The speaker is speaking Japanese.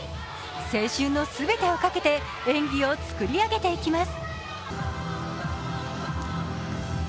青春の全てをかけて演技を作り上げていきます。